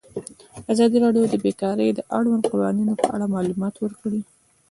ازادي راډیو د بیکاري د اړونده قوانینو په اړه معلومات ورکړي.